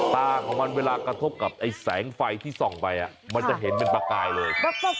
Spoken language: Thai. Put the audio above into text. ตาของมันเวลากระทบกับไอ้แสงไฟที่ส่องไปมันจะเห็นเป็นประกายเลย